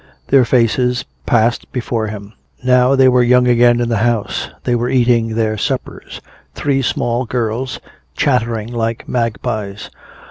Their faces passed before him. Now they were young again in the house. They were eating their suppers, three small girls, chattering like magpies.